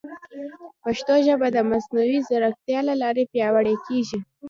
پښتو ژبه د مصنوعي ځیرکتیا له لارې پیاوړې کیږي.